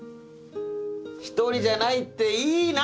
１人じゃないっていいな！